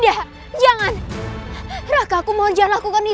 dia akan tetap menjalani hukumannya